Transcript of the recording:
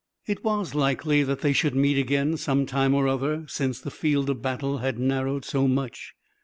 It was likely that they should meet again some time or other, since the field of battle had narrowed so much.